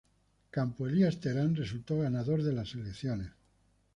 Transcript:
Campo Elías Terán resultó ganador de las elecciones.